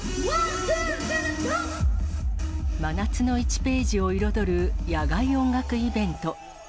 真夏の１ページを彩る野外音楽イベント。